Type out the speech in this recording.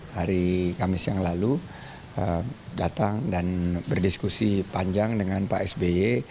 hari kamis yang lalu datang dan berdiskusi panjang dengan pak sby